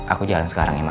aku jalan sekarang ya ma